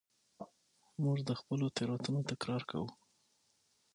موږ د خپلو تېروتنو تکرار کوو.